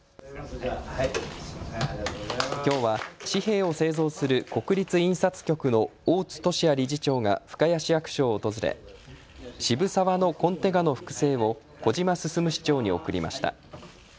きょうは紙幣を製造する国立印刷局の大津俊哉理事長が深谷市役所を訪れ渋沢のコンテ画の複製を小島進市長に贈りました。